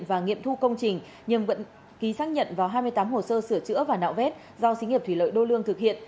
và nghiệm thu công trình nhưng vẫn ký xác nhận vào hai mươi tám hồ sơ sửa chữa và nạo vét do xí nghiệp thủy lợi đô lương thực thực hiện